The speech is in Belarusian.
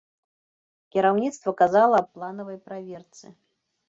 Кіраўніцтва казала аб планавай праверцы.